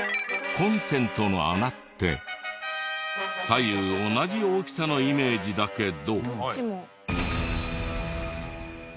コンセントの穴って左右同じ大きさのイメージだけど。